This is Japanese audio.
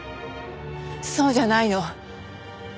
そうじゃないの。